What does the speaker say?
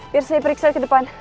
biar saya periksa ke depan